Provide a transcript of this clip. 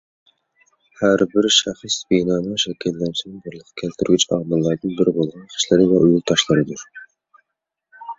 ھەر بىر شەخس بىنانىڭ شەكىللىنىشىنى بارلىققا كەلتۈرگۈچى ئامىللىرىدىن بىرى بولغان خىشلىرى ۋە ئۇيۇل تاشلىرىدۇر.